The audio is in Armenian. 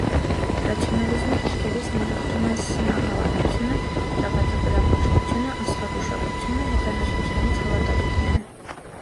Ռացիոնալիզմի դիրքերից նա ժխտում է սնահավատությունը, ճակատագրապաշտությունը, աստղագուշակությունը, հեթանոսությունից հավատալիքները։